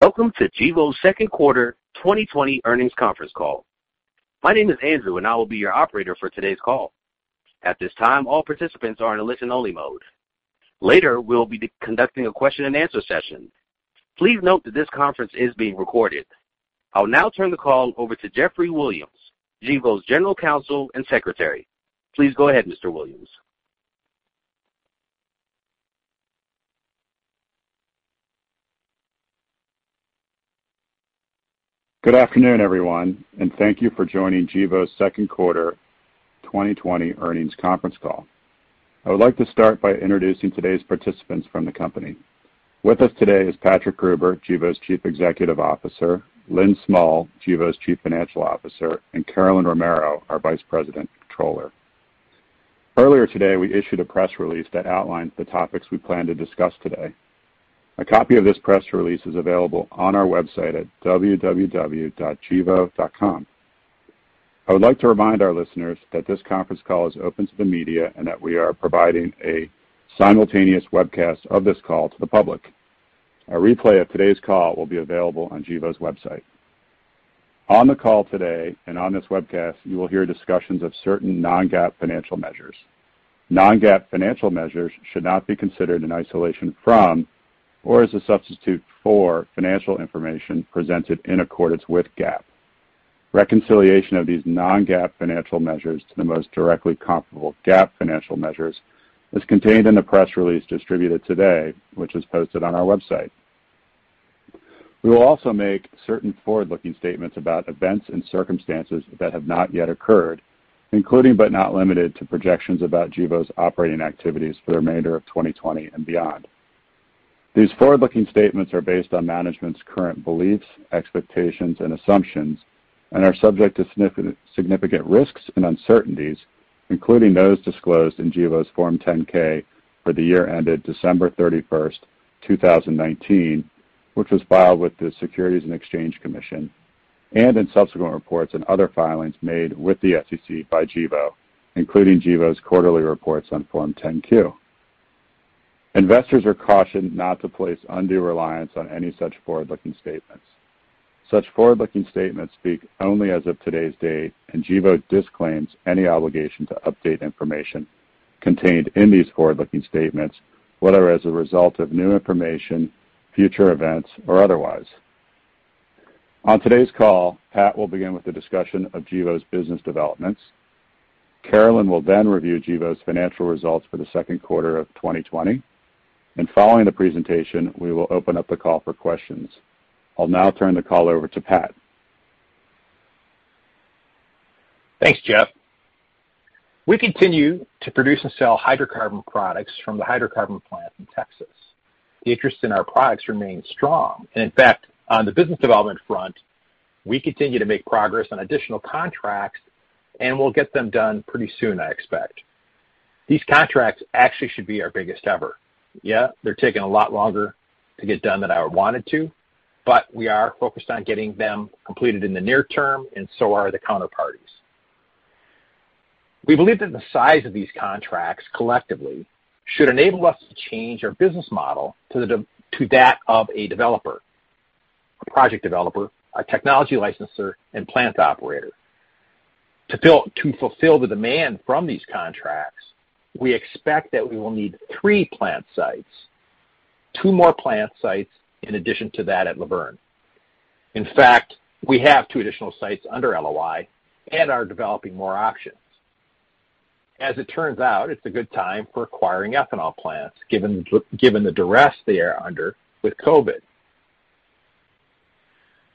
Welcome to Gevo's second quarter 2020 earnings conference call. My name is Andrew, and I will be your operator for today's call. At this time, all participants are in a listen only mode. Later, we'll be conducting a question-and-answer session. Please note that this conference is being recorded. I will now turn the call over to Geoffrey Williams, Gevo's General Counsel and Secretary. Please go ahead, Mr. Williams. Good afternoon, everyone, and thank you for joining Gevo's second quarter 2020 earnings conference call. I would like to start by introducing today's participants from the company. With us today is Patrick Gruber, Gevo's Chief Executive Officer, Lynn Smull, Gevo's Chief Financial Officer, and Carolyn Romero, our Vice President and Controller. Earlier today, we issued a press release that outlines the topics we plan to discuss today. A copy of this press release is available on our website at www.gevo.com. I would like to remind our listeners that this conference call is open to the media and that we are providing a simultaneous webcast of this call to the public. A replay of today's call will be available on Gevo's website. On the call today and on this webcast, you will hear discussions of certain non-GAAP financial measures. Non-GAAP financial measures should not be considered in isolation from or as a substitute for financial information presented in accordance with GAAP. Reconciliation of these non-GAAP financial measures to the most directly comparable GAAP financial measures is contained in the press release distributed today, which is posted on our website. We will also make certain forward-looking statements about events and circumstances that have not yet occurred, including, but not limited to projections about Gevo's operating activities for the remainder of 2020 and beyond. These forward-looking statements are based on management's current beliefs, expectations, and assumptions and are subject to significant risks and uncertainties, including those disclosed in Gevo's Form 10-K for the year ended December 31st, 2019, which was filed with the Securities and Exchange Commission and in subsequent reports and other filings made with the SEC by Gevo, including Gevo's quarterly reports on Form 10-Q. Investors are cautioned not to place undue reliance on any such forward-looking statements. Such forward-looking statements speak only as of today's date, Gevo disclaims any obligation to update information contained in these forward-looking statements, whether as a result of new information, future events, or otherwise. On today's call, Pat will begin with the discussion of Gevo's business developments. Carolyn will then review Gevo's financial results for the second quarter of 2020. Following the presentation, we will open up the call for questions. I'll now turn the call over to Pat. Thanks, Geoff. We continue to produce and sell hydrocarbon products from the hydrocarbon plant in Texas. The interest in our products remains strong. In fact, on the business development front, we continue to make progress on additional contracts and we'll get them done pretty soon, I expect. These contracts actually should be our biggest ever. Yeah, they're taking a lot longer to get done than I would want it to, we are focused on getting them completed in the near term and so are the counterparties. We believe that the size of these contracts collectively should enable us to change our business model to that of a developer, a project developer, a technology licensor, and plant operator. To fulfill the demand from these contracts, we expect that we will need three plant sites, two more plant sites in addition to that at Luverne. In fact, we have two additional sites under LOI and are developing more options. As it turns out, it's a good time for acquiring ethanol plants given the duress they are under with COVID.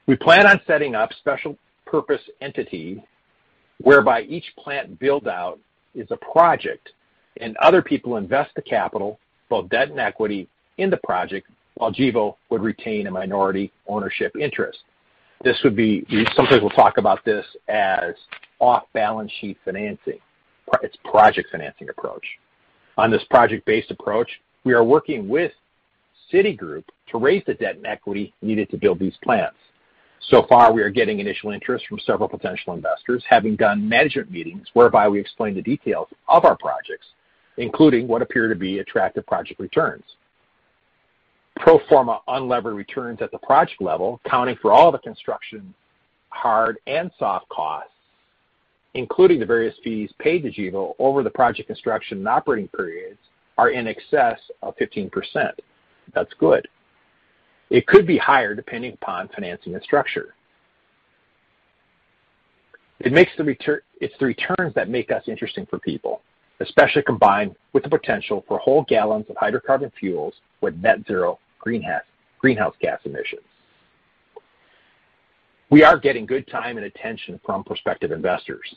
We plan on setting up special purpose entity whereby each plant build-out is a project and other people invest the capital, both debt and equity in the project while Gevo would retain a minority ownership interest. Some people talk about this as off-balance sheet financing. It's project financing approach. On this project-based approach, we are working with Citigroup to raise the debt and equity needed to build these plants. So far, we are getting initial interest from several potential investors, having done management meetings whereby we explain the details of our projects, including what appear to be attractive project returns. Pro forma unlevered returns at the project level, accounting for all the construction hard and soft costs, including the various fees paid to Gevo over the project construction and operating periods are in excess of 15%. That's good. It could be higher depending upon financing and structure. It's the returns that make us interesting for people, especially combined with the potential for whole gallons of hydrocarbon fuels with net zero greenhouse gas emissions. We are getting good time and attention from prospective investors.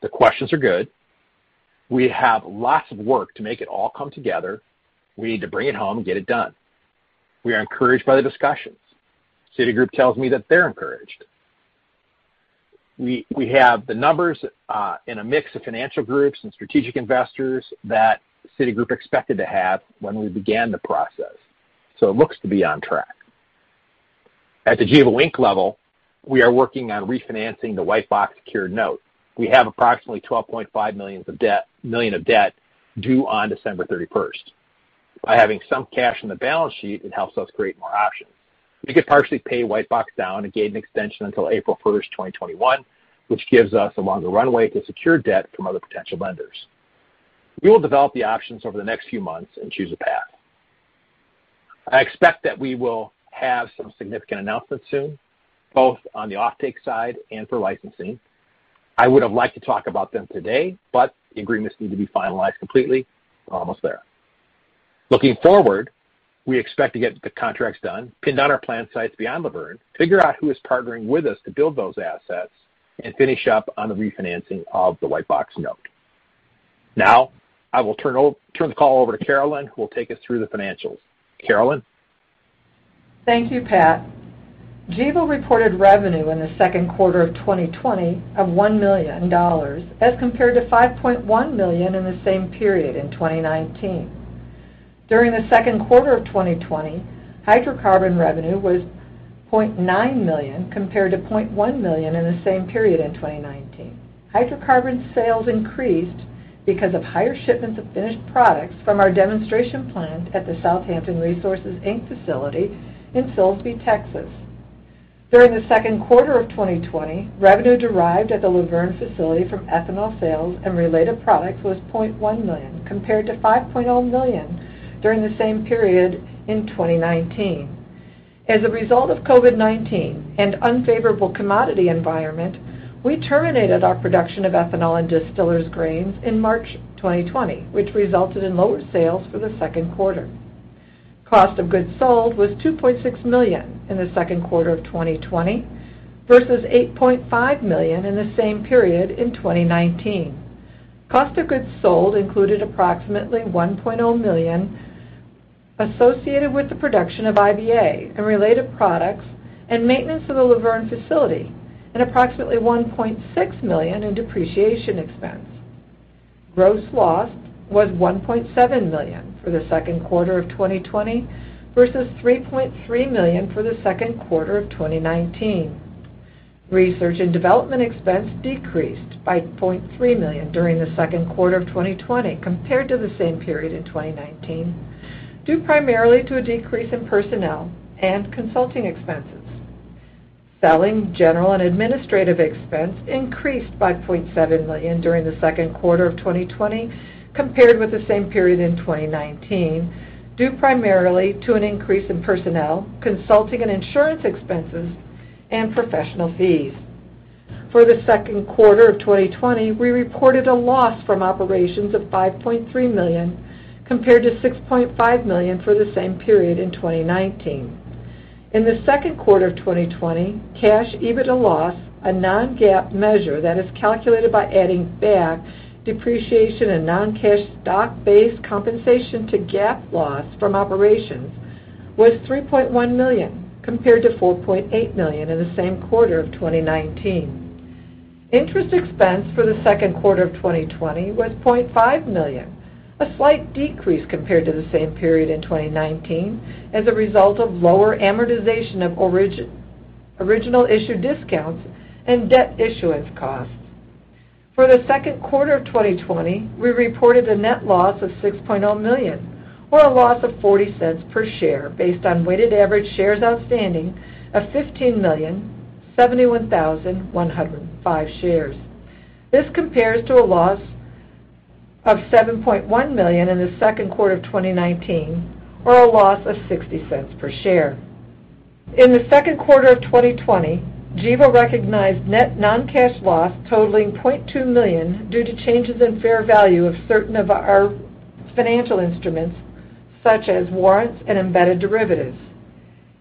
The questions are good. We have lots of work to make it all come together. We need to bring it home and get it done. We are encouraged by the discussions. Citigroup tells me that they're encouraged. We have the numbers and a mix of financial groups and strategic investors that Citigroup expected to have when we began the process. It looks to be on track. At the Gevo, Inc. level, we are working on refinancing the Whitebox secured note. We have approximately $12.5 million of debt due on December 31st. By having some cash in the balance sheet, it helps us create more options. We could partially pay Whitebox down and gain an extension until April 1st, 2021, which gives us a longer runway to secure debt from other potential lenders. We will develop the options over the next few months and choose a path. I expect that we will have some significant announcements soon, both on the offtake side and for licensing. I would have liked to talk about them today, but the agreements need to be finalized completely. We're almost there. Looking forward, we expect to get the contracts done, pin down our planned sites beyond Luverne, figure out who is partnering with us to build those assets, and finish up on the refinancing of the Whitebox note. Now, I will turn the call over to Carolyn, who will take us through the financials. Carolyn? Thank you, Pat. Gevo reported revenue in the second quarter of 2020 of $1 million as compared to $5.1 million in the same period in 2019. During the second quarter of 2020, hydrocarbon revenue was $0.9 million compared to $0.1 million in the same period in 2019. Hydrocarbon sales increased because of higher shipments of finished products from our demonstration plant at the South Hampton Resources, Inc. facility in Silsbee, Texas. During the second quarter of 2020, revenue derived at the Luverne facility from ethanol sales and related products was $0.1 million, compared to $5.0 million during the same period in 2019. As a result of COVID-19 and unfavorable commodity environment, we terminated our production of ethanol and distillers' grains in March 2020, which resulted in lower sales for the second quarter. Cost of goods sold was $2.6 million in the second quarter of 2020 versus $8.5 million in the same period in 2019. Cost of goods sold included approximately $1.0 million associated with the production of IBA and related products and maintenance of the Luverne facility, and approximately $1.6 million in depreciation expense. Gross loss was $1.7 million for the second quarter of 2020 versus $3.3 million for the second quarter of 2019. Research and development expense decreased by $0.3 million during the second quarter of 2020 compared to the same period in 2019, due primarily to a decrease in personnel and consulting expenses. Selling, general, and administrative expense increased by $0.7 million during the second quarter of 2020 compared with the same period in 2019, due primarily to an increase in personnel, consulting and insurance expenses, and professional fees. For the second quarter of 2020, we reported a loss from operations of $5.3 million compared to $6.5 million for the same period in 2019. In the second quarter of 2020, cash EBITDA loss, a non-GAAP measure that is calculated by adding back depreciation and non-cash stock-based compensation to GAAP loss from operations, was $3.1 million, compared to $4.8 million in the same quarter of 2019. Interest expense for the second quarter of 2020 was $0.5 million, a slight decrease compared to the same period in 2019, as a result of lower amortization of original issue discounts and debt issuance costs. For the second quarter of 2020, we reported a net loss of $6.0 million or a loss of $0.40 per share based on weighted average shares outstanding of 15,071,105 shares. This compares to a loss of $7.1 million in the second quarter of 2019, or a loss of $0.60 per share. In the second quarter of 2020, Gevo recognized net non-cash loss totaling $0.2 million due to changes in fair value of certain of our financial instruments, such as warrants and embedded derivatives.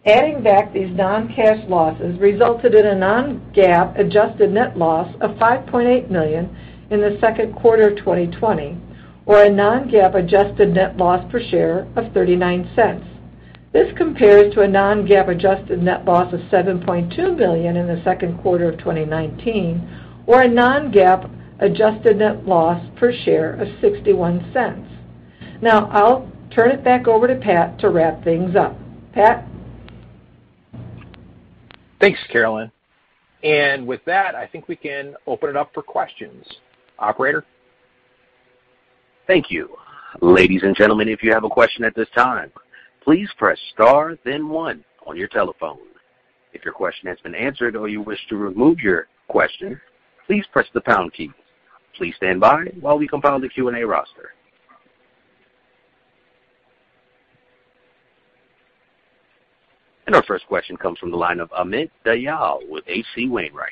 Adding back these non-cash losses resulted in a non-GAAP adjusted net loss of $5.8 million in the second quarter of 2020, or a non-GAAP adjusted net loss per share of $0.39. This compares to a non-GAAP adjusted net loss of $7.2 million in the second quarter of 2019, or a non-GAAP adjusted net loss per share of $0.61. Now, I'll turn it back over to Pat to wrap things up. Pat? Thanks, Carolyn. With that, I think we can open it up for questions. Operator? Thank you. Ladies and gentlemen, if you have a question at this time, please press star then one on your telephone. If your question has been answered or you wish to remove your question, please press the pound key. Please stand by while we compile the Q&A roster. Our first question comes from the line of Amit Dayal with H.C. Wainwright.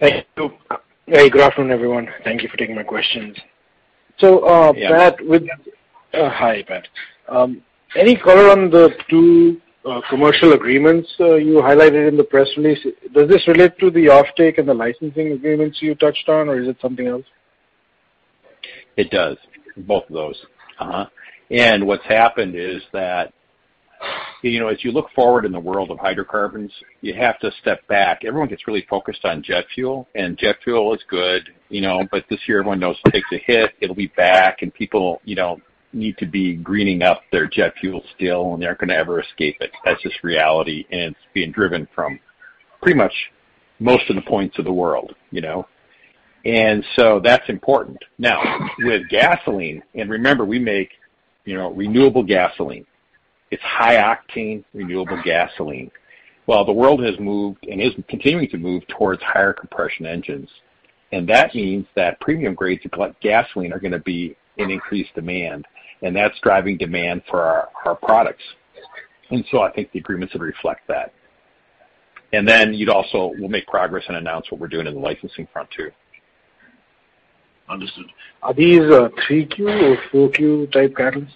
Hey. Good afternoon, everyone. Thank you for taking my questions. Yeah. Pat, hi, Pat. Any color on the two commercial agreements you highlighted in the press release? Does this relate to the offtake and the licensing agreements you touched on, or is it something else? It does. Both of those. What's happened is that as you look forward in the world of hydrocarbons, you have to step back. Everyone gets really focused on jet fuel, and jet fuel is good, but this year everyone knows it takes a hit. It'll be back, people need to be greening up their jet fuel still, and they're not going to ever escape it. That's just reality, it's being driven from pretty much most of the points of the world. That's important. Now, with gasoline, and remember, we make renewable gasoline. It's high-octane renewable gasoline. Well, the world has moved and is continuing to move towards higher compression engines, and that means that premium grades of gasoline are going to be in increased demand, and that's driving demand for our products. I think the agreements would reflect that. We'll make progress and announce what we're doing in the licensing front, too. Understood. Are these 3Q or 4Q-type catalysts?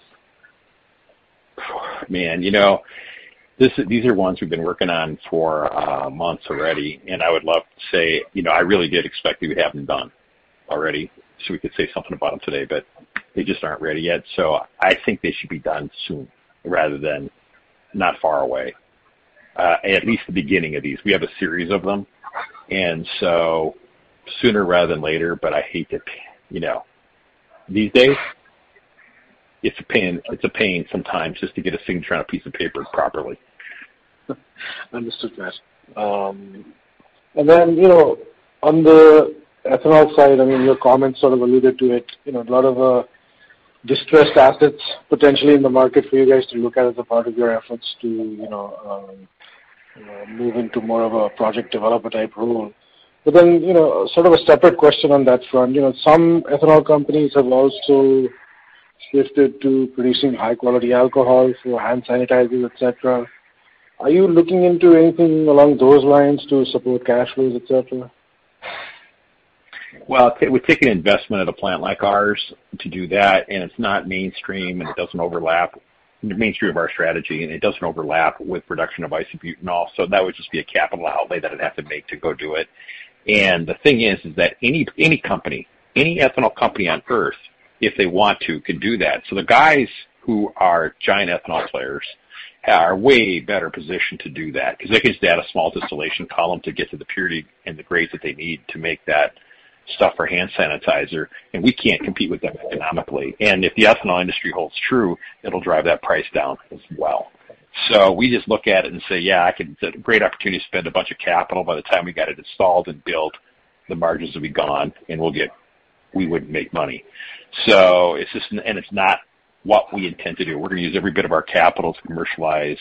Man, these are ones we've been working on for months already, and I would love to say, I really did expect we would have them done already so we could say something about them today, but they just aren't ready yet. I think they should be done soon, rather than not far away. At least the beginning of these. We have a series of them. Sooner rather than later, but I hate to these days, it's a pain sometimes just to get a signature on a piece of paper properly. Understood, yes. On the ethanol side, your comments sort of alluded to it, a lot of distressed assets potentially in the market for you guys to look at as a part of your efforts to move into more of a project developer type role. Sort of a separate question on that front. Some ethanol companies have also shifted to producing high-quality alcohol for hand sanitizers, et cetera. Are you looking into anything along those lines to support cash flows, et cetera? Well, it would take an investment at a plant like ours to do that, and it's not mainstream, and it doesn't overlap the mainstream of our strategy, and it doesn't overlap with production of isobutanol, so that would just be a capital outlay that I'd have to make to go do it. The thing is that any ethanol company on Earth, if they want to, can do that. The guys who are giant ethanol players are way better positioned to do that because they can just add a small distillation column to get to the purity and the grades that they need to make that stuff for hand sanitizer, and we can't compete with them economically. If the ethanol industry holds true, it'll drive that price down as well. We just look at it and say, "Yeah, great opportunity to spend a bunch of capital. By the time we got it installed and built, the margins will be gone, and we wouldn't make money." It's not what we intend to do. We're going to use every bit of our capital to commercialize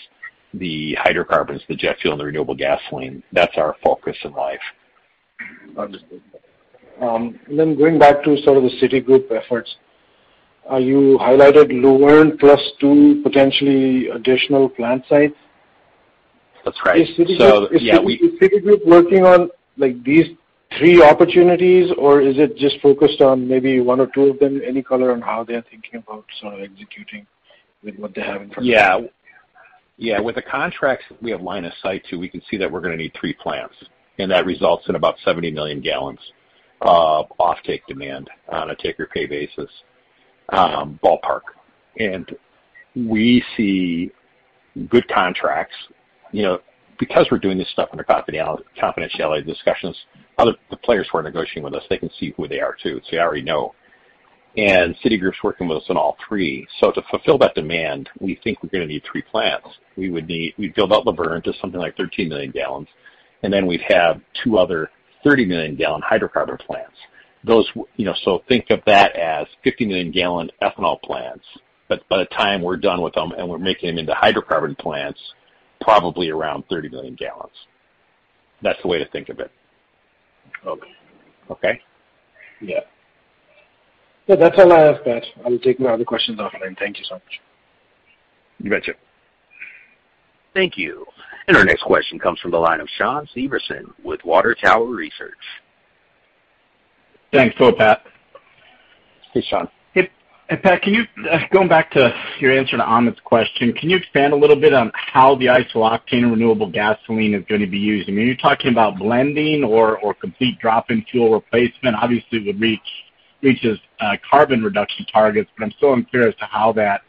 the hydrocarbons, the jet fuel, and the renewable gasoline. That's our focus in life. Understood. Going back to sort of the Citigroup efforts. You highlighted Luverne plus two potentially additional plant sites. That's right. Is Citigroup working on these three opportunities, or is it just focused on maybe one or two of them? Any color on how they're thinking about sort of executing with what they have in front of them? Yeah. With the contracts we have line of sight to, we can see that we're going to need three plants, and that results in about 70 million gallons of offtake demand on a take-or-pay basis, ballpark. We see good contracts. Because we're doing this stuff under confidentiality discussions, the players who are negotiating with us, they can see who they are, too, so they already know. Citigroup's working with us on all three. To fulfill that demand, we think we're going to need three plants. We'd build out Luverne to something like 13 million gallons, and then we'd have two other 30-million-gallon hydrocarbon plants. Think of that as 50-million-gallon ethanol plants, but by the time we're done with them and we're making them into hydrocarbon plants, probably around 30 million gallons. That's the way to think of it. Okay. Okay? Yeah. That's all I have, Pat. I will take my other questions offline. Thank you so much. You betcha. Thank you. Our next question comes from the line of Shawn Severson with Water Tower Research. Thanks. Hello, Pat. Hey, Shawn. Hey, Pat. Going back to your answer to Amit's question, can you expand a little bit on how the isooctane renewable gasoline is going to be used? I mean, are you talking about blending or complete drop-in fuel replacement? Obviously, it would reach carbon reduction targets, but I'm still curious to how that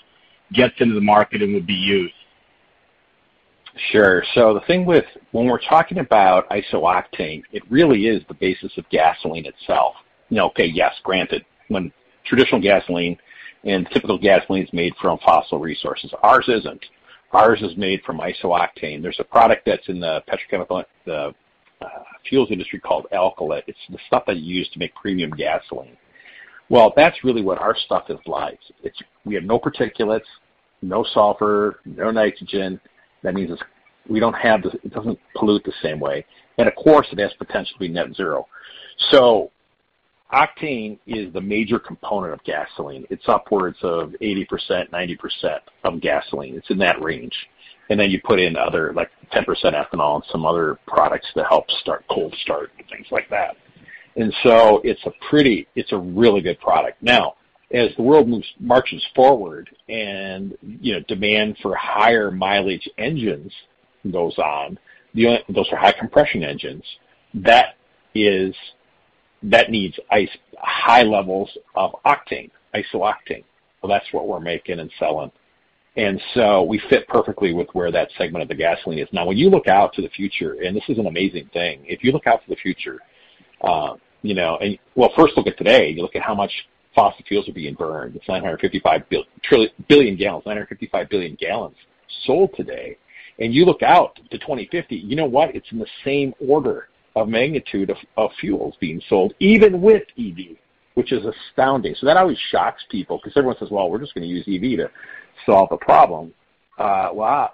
gets into the market and would be used. Sure. The thing with when we're talking about isooctane, it really is the basis of gasoline itself. Now, okay, yes, granted, traditional gasoline and typical gasoline's made from fossil resources. Ours isn't. Ours is made from isooctane. There's a product that's in the fuels industry called alkylate. It's the stuff that you use to make premium gasoline. Well, that's really what our stuff is like. We have no particulates, no sulfur, no nitrogen. That means it doesn't pollute the same way. Of course, it has potential to be net zero. Octane is the major component of gasoline. It's upwards of 80%, 90% of gasoline. It's in that range. Then you put in other, like 10% ethanol and some other products to help cold start and things like that. It's a really good product. As the world marches forward and demand for higher mileage engines goes on, those are high compression engines. That needs high levels of octane, isooctane. Well, that's what we're making and selling. We fit perfectly with where that segment of the gasoline is. When you look out to the future, and this is an amazing thing. If you look out to the future, first look at today. You look at how much fossil fuels are being burned. It's 955 billion gallons sold today, and you look out to 2050, you know what? It's in the same order of magnitude of fuels being sold, even with EV, which is astounding. That always shocks people because everyone says, "Well, we're just going to use EV to solve a problem."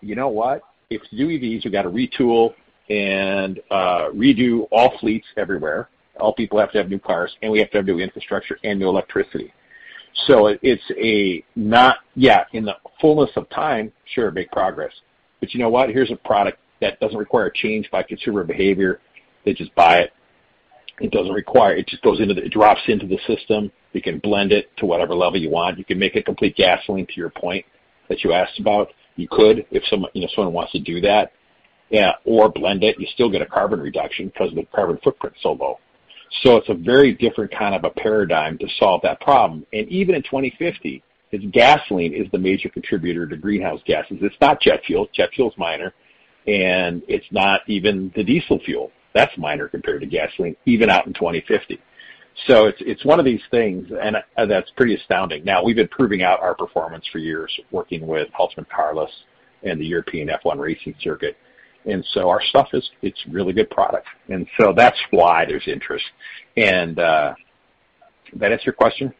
You know what? If you do EVs, you've got to retool and redo all fleets everywhere. All people have to have new cars. We have to have new infrastructure and new electricity. It's a not yet in the fullness of time, sure, make progress, but you know what? Here's a product that doesn't require a change by consumer behavior. They just buy it. It doesn't require. It just drops into the system. We can blend it to whatever level you want. You can make it complete gasoline, to your point that you asked about. You could, if someone wants to do that. Blend it, you still get a carbon reduction because the carbon footprint's so low. It's a very different kind of a paradigm to solve that problem. Even in 2050, it's gasoline is the major contributor to greenhouse gases. It's not jet fuel. Jet fuel is minor, and it's not even the diesel fuel. That's minor compared to gasoline, even out in 2050. It's one of these things, and that's pretty astounding. We've been proving out our performance for years, working with Haltermann Carless and the European F1 racing circuit. Our stuff is really good product. That's why there's interest. Did that answer your question?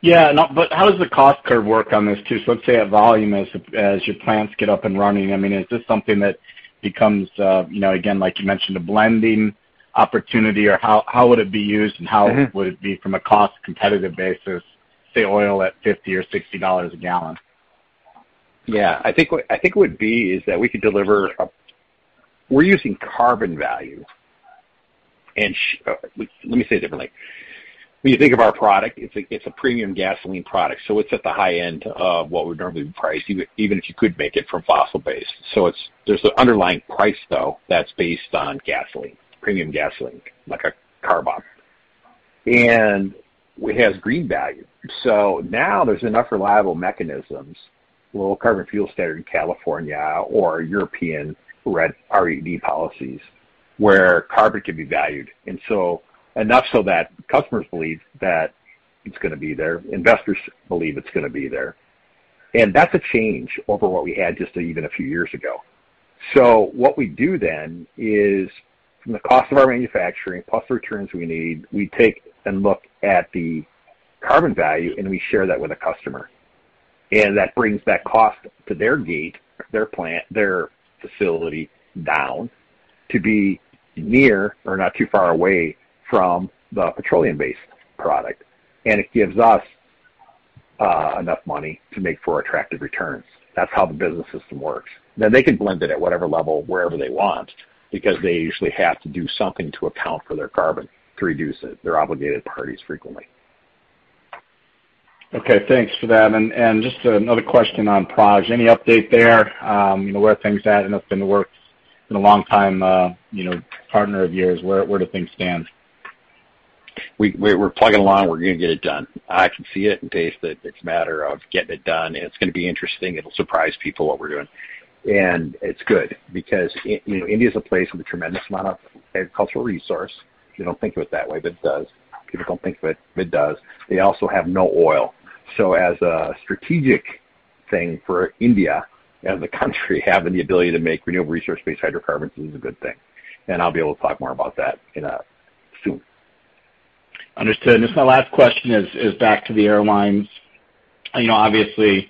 Yeah. No, how does the cost curve work on this too? Let's say at volume, as your plants get up and running, is this something that becomes, again, like you mentioned, a blending opportunity? How would it be used and how would it be from a cost-competitive basis, say, oil at $50 or $60 a gallon? Yeah. I think what it would be is that we could deliver We're using carbon value. Let me say it differently. When you think of our product, it's a premium gasoline product, so it's at the high end of what would normally be the price, even if you could make it from fossil based. There's an underlying price, though, that's based on gasoline, premium gasoline, like a CARBOB. It has green value. Now there's enough reliable mechanisms, Low Carbon Fuel Standard in California or European RED policies, where carbon can be valued. Enough so that customers believe that it's going to be there, investors believe it's going to be there. That's a change over what we had just even a few years ago. What we do then is from the cost of our manufacturing, plus the returns we need, we take and look at the carbon value, and we share that with a customer. That brings that cost to their gate, their plant, their facility down to be near or not too far away from the petroleum-based product. It gives us enough money to make for attractive returns. That's how the business system works. They can blend it at whatever level, wherever they want, because they usually have to do something to account for their carbon to reduce it. They're obligated parties frequently. Okay, thanks for that. Just another question on Praj. Any update there? Where are things at? I know it's been in the works for a long time, partner of yours. Where do things stand? We're plugging along. We're going to get it done. I can see it and taste it. It's a matter of getting it done, and it's going to be interesting. It'll surprise people what we're doing. It's good because India's a place with a tremendous amount of agricultural resource. You don't think of it that way, but it does. People don't think of it, but it does. They also have no oil. As a strategic thing for India as a country, having the ability to make renewable resource-based hydrocarbons is a good thing, and I'll be able to talk more about that soon. Understood. Just my last question is back to the airlines, obviously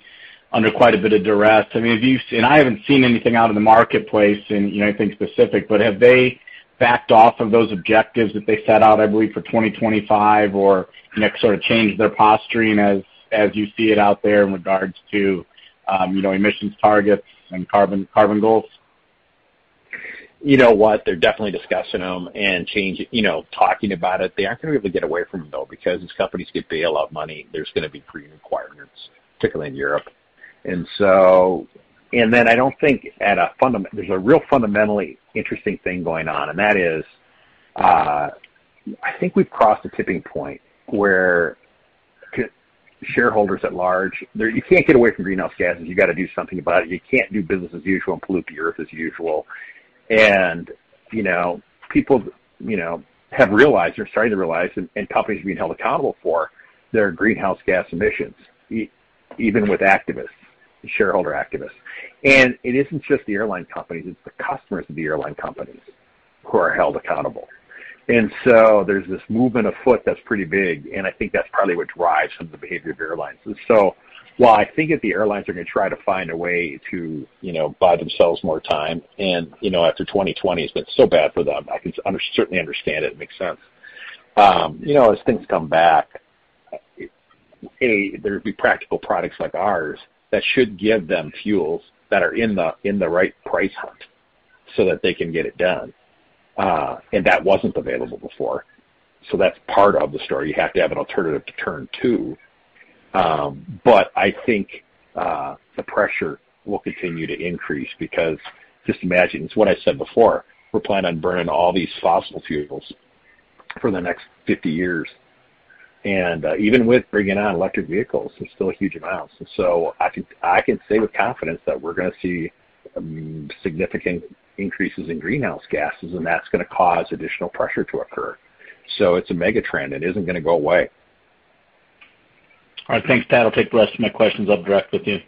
under quite a bit of duress. I mean, have you seen, I haven't seen anything out in the marketplace in anything specific, but have they backed off of those objectives that they set out, I believe, for 2025, or sort of change their posturing as you see it out there in regards to emissions targets and carbon goals? You know what? They're definitely discussing them and talking about it. They aren't going to be able to get away from it, though, because these companies could bail out money. There's going to be green requirements, particularly in Europe. I don't think there's a real fundamentally interesting thing going on, and that is, I think we've crossed a tipping point where shareholders at large, you can't get away from greenhouse gases. You got to do something about it. You can't do business as usual and pollute the Earth as usual. People have realized or starting to realize, and companies are being held accountable for their greenhouse gas emissions, even with activists, shareholder activists. It isn't just the airline companies, it's the customers of the airline companies who are held accountable. There's this movement afoot that's pretty big, and I think that's probably what drives some of the behavior of airlines. While I think that the airlines are going to try to find a way to buy themselves more time, and after 2020 has been so bad for them, I can certainly understand it and it makes sense. As things come back, A, there would be practical products like ours that should give them fuels that are in the right price point so that they can get it done. That wasn't available before. That's part of the story. You have to have an alternative to turn to. I think the pressure will continue to increase because just imagine, it's what I said before, we're planning on burning all these fossil fuels for the next 50 years. Even with bringing on electric vehicles, there's still huge amounts. I can say with confidence that we're going to see significant increases in greenhouse gases, and that's going to cause additional pressure to occur. It's a mega trend. It isn't going to go away. All right. Thanks, Pat. I'll take the rest of my questions up direct with you.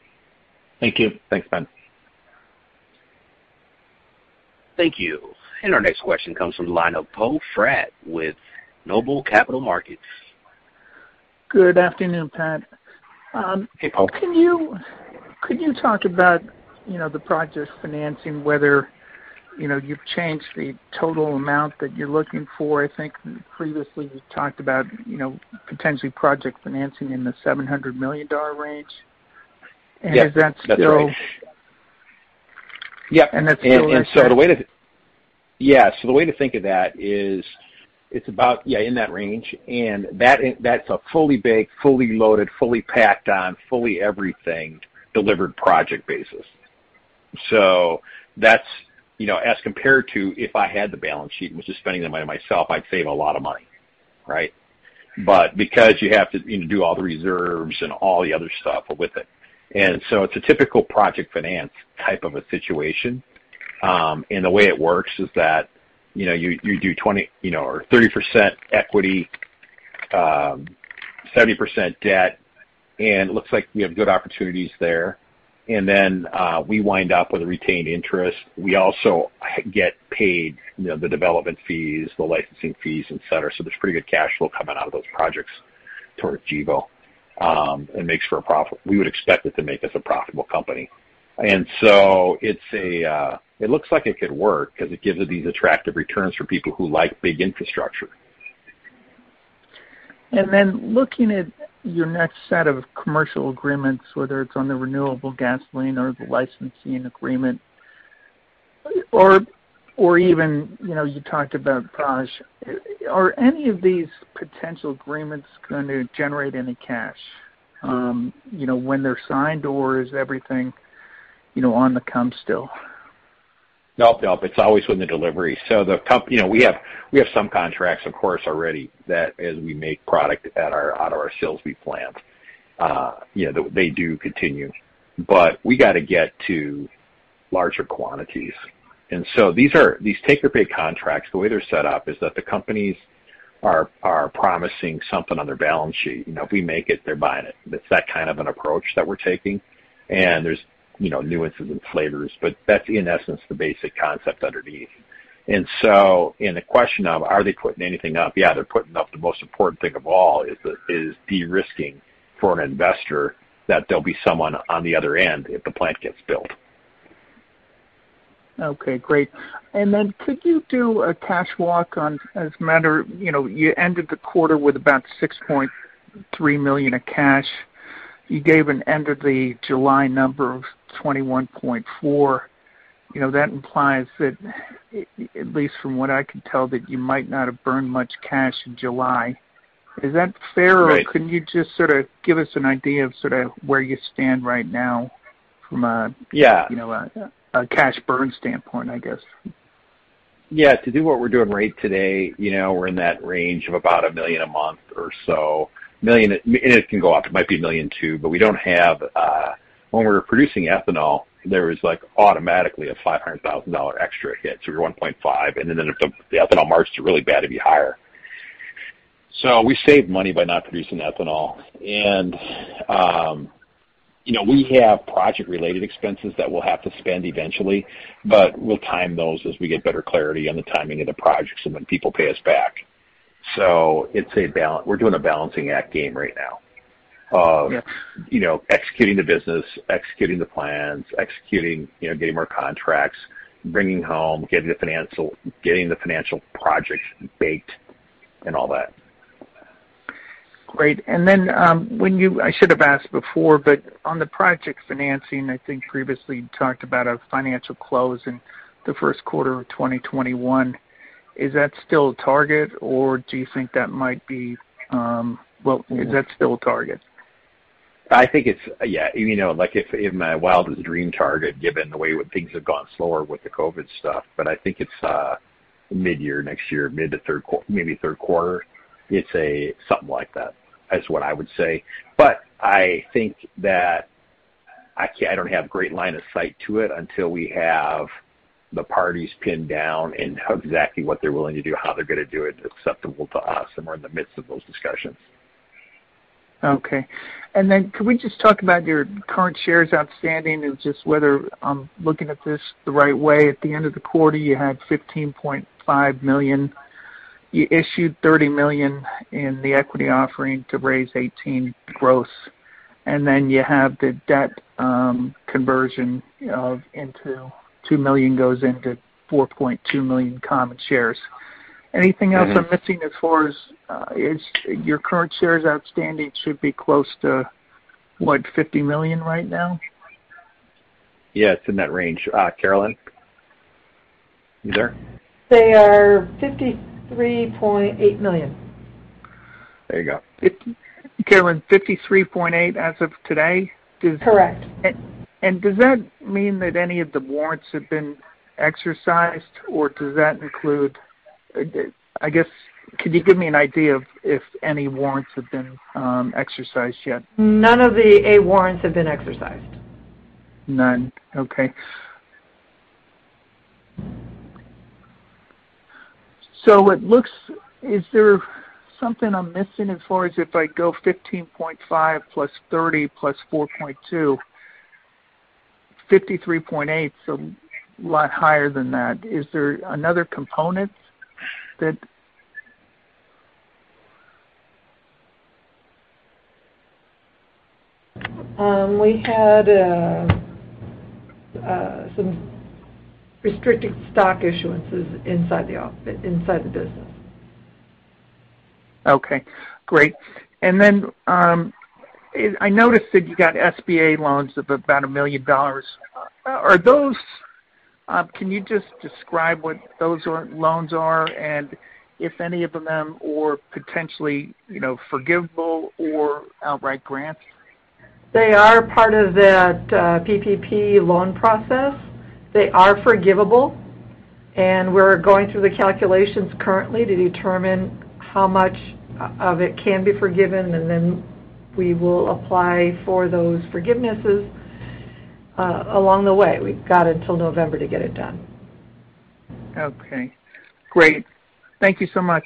Thank you. Thanks, Shawn. Thank you. Our next question comes from the line of Poe Fratt with NOBLE Capital Markets. Good afternoon, Pat. Hey, Poe. Could you talk about the project financing, whether you've changed the total amount that you're looking for? I think previously you talked about potentially project financing in the $700 million range. Yes, that's right. And is that still- Yep. That's still in play? Yes. The way to think of that is it's about, yeah, in that range, and that's a fully baked, fully loaded, fully packed on, fully everything delivered project basis. That's as compared to if I had the balance sheet and was just spending the money myself, I'd save a lot of money, right? Because you have to do all the reserves and all the other stuff with it's a typical project finance type of a situation. The way it works is that you do 30% equity, 70% debt, and it looks like we have good opportunities there. We wind up with a retained interest. We also get paid the development fees, the licensing fees, et cetera. There's pretty good cash flow coming out of those projects towards Gevo. It makes for a profit. We would expect it to make us a profitable company. It looks like it could work because it gives us these attractive returns for people who like big infrastructure. Looking at your next set of commercial agreements, whether it's on the renewable gasoline or the licensing agreement, or even, you talked about project, are any of these potential agreements going to generate any cash when they're signed, or is everything on the come still? Nope. It's always when the delivery. We have some contracts, of course, already that as we make product out of our Silsbee plant. They do continue, we got to get to larger quantities. These take-or-pay contracts, the way they're set up is that the companies are promising something on their balance sheet. If we make it, they're buying it. It's that kind of an approach that we're taking. There's nuances and flavors, but that's in essence the basic concept underneath. In the question of are they putting anything up? Yeah, they're putting up the most important thing of all, is de-risking for an investor that there'll be someone on the other end if the plant gets built. Okay, great. Could you do a cash walk on, you ended the quarter with about $6.3 million of cash. You gave an end of the July number of $21.4 million. That implies that, at least from what I can tell, that you might not have burned much cash in July. Is that fair? Right. Can you just sort of give us an idea of sort of where you stand right now? Yeah. A cash burn standpoint, I guess? Yeah. To do what we're doing right today, we're in that range of about $1 million a month or so. It can go up. It might be $1.2 million, but we don't have. When we're producing ethanol, there is like automatically a $500,000 extra hit, so you're $1.5 million. Then if the ethanol markets are really bad, it'd be higher. We save money by not producing ethanol. We have project-related expenses that we'll have to spend eventually, but we'll time those as we get better clarity on the timing of the projects and when people pay us back. We're doing a balancing act game right now. Yeah. Executing the business, executing the plans, executing getting more contracts, bringing home, getting the financial project baked, and all that. Great. I should have asked before, but on the project financing, I think previously you talked about a financial close in the first quarter of 2021. Well, is that still a target? I think it's, yeah, like if my wildest dream target, given the way things have gone slower with the COVID stuff, but I think it's mid-year next year, maybe third quarter. It's something like that is what I would say. I think that I don't have great line of sight to it until we have the parties pinned down and exactly what they're willing to do, how they're going to do it acceptable to us, and we're in the midst of those discussions. Okay. Could we just talk about your current shares outstanding and just whether I'm looking at this the right way. At the end of the quarter, you had 15.5 million. You issued 30 million in the equity offering to raise $18 million gross. You have the debt conversion into 2 million goes into 4.2 million common shares. Anything else I'm missing as far as your current shares outstanding should be close to what, 50 million right now? Yeah, it's in that range. Carolyn? You there? They are 53.8 million. There you go. Carolyn, 53.8 million as of today? Correct. Does that mean that any of the warrants have been exercised, or does that include, I guess, could you give me an idea if any warrants have been exercised yet? None of the A warrants have been exercised. None. Okay. Is there something I'm missing as far as if I go 15.5 million + 30 million + 4.2 million, 53.8 million, a lot higher than that? Is there another component that? We had some restricted stock issuances inside the business. Okay, great. I noticed that you got SBA loans of about $1 million. Can you just describe what those loans are, and if any of them are potentially forgivable or outright grants? They are part of that PPP loan process. They are forgivable, and we're going through the calculations currently to determine how much of it can be forgiven, and then we will apply for those forgivenesses along the way. We've got until November to get it done. Okay, great. Thank you so much.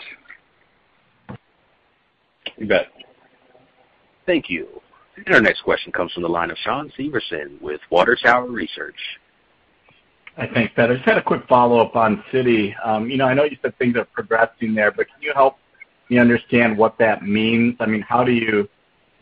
You bet. Thank you. Our next question comes from the line of Shawn Severson with Water Tower Research. I think that I just had a quick follow-up on Citi. I know you said things are progressing there. Can you help me understand what that means?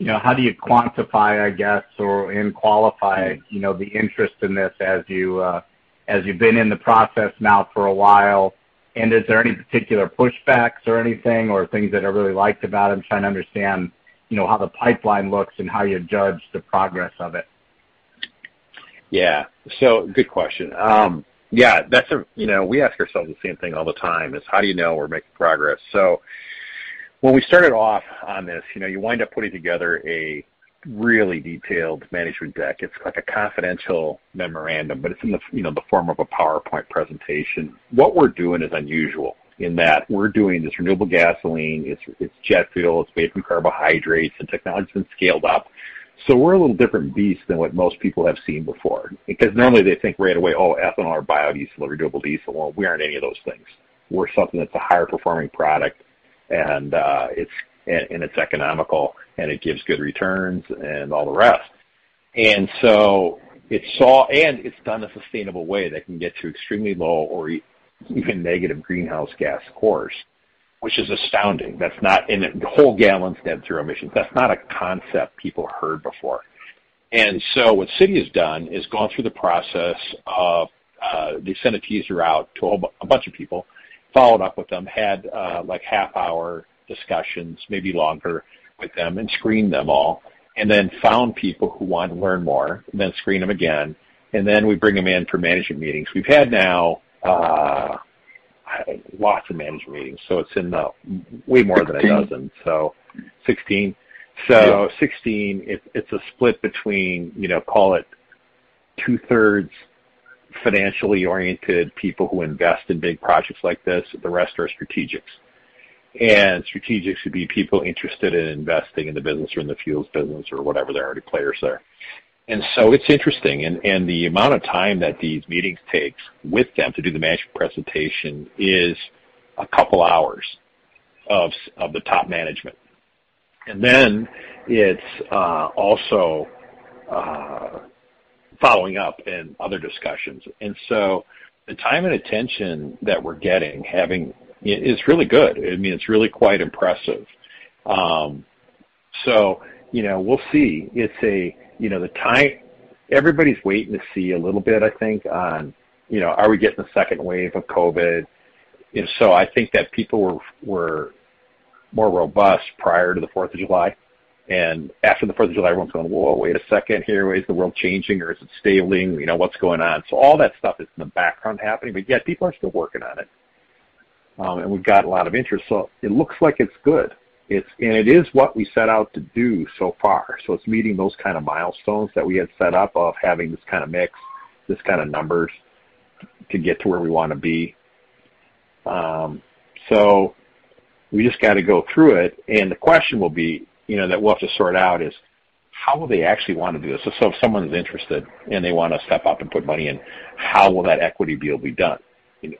How do you quantify, I guess, and qualify the interest in this as you've been in the process now for a while, and is there any particular pushbacks or anything, or things that are really liked about them? I'm trying to understand how the pipeline looks and how you judge the progress of it. Good question. We ask ourselves the same thing all the time, is how do you know we're making progress? When we started off on this, you wind up putting together a really detailed management deck. It's like a confidential memorandum, but it's in the form of a PowerPoint presentation. What we're doing is unusual in that we're doing this renewable gasoline, it's jet fuel, it's made from carbohydrates. The technology's been scaled up. We're a little different beast than what most people have seen before. Because normally they think right away, oh, ethanol or biodiesel or renewable diesel. We aren't any of those things. We're something that's a higher-performing product, and it's economical, and it gives good returns and all the rest. It's done a sustainable way that can get to extremely low or even negative greenhouse gas scores, which is astounding. The whole gallon's net zero emissions. That's not a concept people heard before. What Citi has done is gone through the process of, they sent a teaser out to a bunch of people, followed up with them, had half-hour discussions, maybe longer, with them, and screened them all, and then found people who want to learn more, and then screened them again, and then we bring them in for management meetings. We've had now lots of management meetings, so it's in the way more than a dozen. Sixteen. Sixteen. It's a split between, call it 2/3 financially-oriented people who invest in big projects like this. The rest are strategics. Strategics would be people interested in investing in the business or in the fuels business or whatever. They're already players there. It's interesting. The amount of time that these meetings takes with them to do the management presentation is a couple hours of the top management. It's also following up and other discussions. The time and attention that we're getting is really good. It's really quite impressive. We'll see. Everybody's waiting to see a little bit, I think, on are we getting a second wave of COVID? I think that people were more robust prior to the Fourth of July, and after the Fourth of July, everyone's going, "Whoa, wait a second here. Is the world changing or is it staling? What's going on? All that stuff is in the background happening, but yet people are still working on it. We've got a lot of interest. It looks like it's good. It is what we set out to do so far. It's meeting those kind of milestones that we had set up of having this kind of mix, this kind of numbers to get to where we want to be. We just got to go through it, and the question will be that we'll have to sort out is, how will they actually want to do this? If someone is interested and they want to step up and put money in, how will that equity deal be done?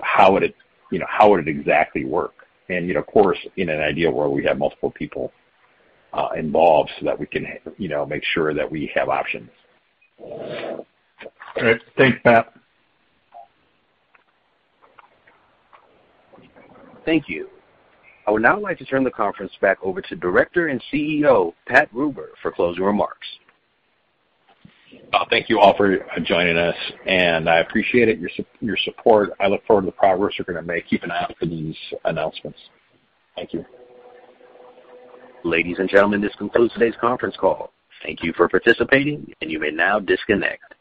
How would it exactly work? Of course, in an ideal world, we have multiple people involved so that we can make sure that we have options. All right. Thanks, Pat. Thank you. I would now like to turn the conference back over to Director and CEO, Pat Gruber, for closing remarks. Thank you all for joining us, and I appreciate it, your support. I look forward to the progress we're going to make. Keep an eye out for these announcements. Thank you. Ladies and gentlemen, this concludes today's conference call. Thank you for participating, and you may now disconnect.